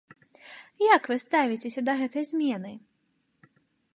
Як вы ставіцеся да гэтай змены?